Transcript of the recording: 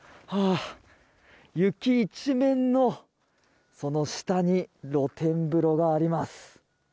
雪一面のその下に露天風呂があります。